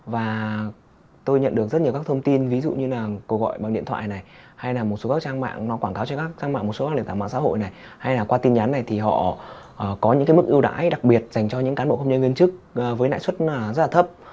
và tôi nhận được rất nhiều các thông tin ví dụ như là cuộc gọi bằng điện thoại này hay là một số các trang mạng nó quảng cáo cho các trang mạng một số các điện tảng mạng xã hội này hay là qua tin nhắn này thì họ có những cái mức ưu đãi đặc biệt dành cho những cán bộ công nhân viên chức với lãi suất rất là thấp